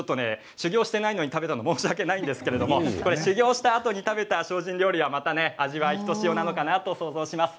修行していないのに食べたのは申し訳ないんですけど修行したあとに食べた精進料理はまた味がひとしおなのかなと想像します。